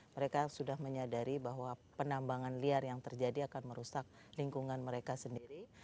mereka sudah menyadari bahwa penambangan liar yang terjadi akan merusak lingkungan mereka sendiri